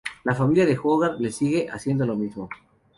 La familia de Howard les sigue, haciendo lo mismo.